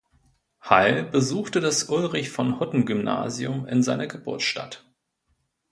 Heil besuchte das Ulrich-von-Hutten-Gymnasium in seiner Geburtsstadt.